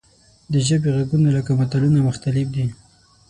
د ژبې غږونه لکه ملتونه مختلف دي.